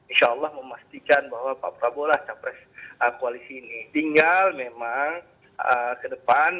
insya allah memastikan bahwa pak prabowo lah capres koalisi ini tinggal memang ke depan